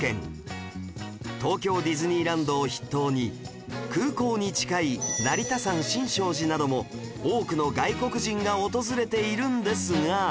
東京ディズニーランドを筆頭に空港に近い成田山新勝寺なども多くの外国人が訪れているんですが